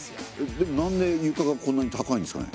でもなんで床がこんなに高いんですかね？